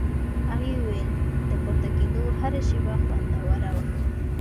هغې وویل د پورته کېدو هره شېبه خوندوره وه.